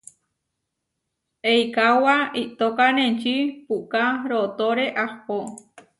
Eikaóba iʼtókane enčí puʼká rootóre ahpó.